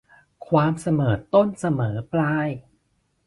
ความเสมอต้นเสมอปลาย